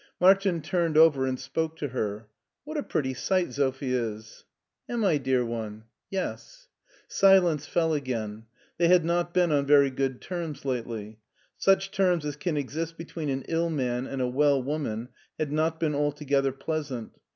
Martin turned over and spoke to her. " What a pretty sight Sophie is." Am I, dear one ?"" Yes." Silence fell again. They had not been on very good terms lately. Such terms as can exist between an ill man and a well woman had not been altogether pleas ant.